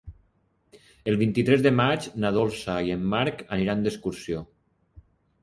El vint-i-tres de maig na Dolça i en Marc aniran d'excursió.